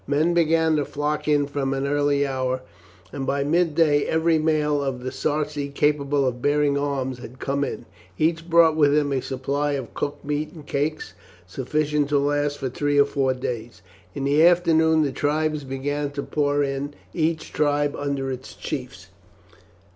Men began to flock in from an early hour, and by midday every male of the Sarci capable of bearing arms had come in. Each brought with him a supply of cooked meat and cakes sufficient to last for three or four days. In the afternoon the tribes began to pour in, each tribe under its chiefs.